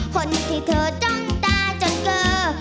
คนที่เธอจ้องตาจนเจอ